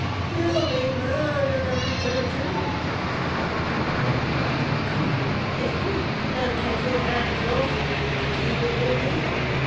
"There'll be Murder the matter, too," replied the hump backed man, coolly, "if you don't take your hands off. Do you hear me?"